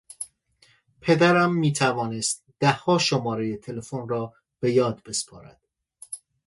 پدرم میتوانست دهها شماره تلفن را به یاد بسپارد.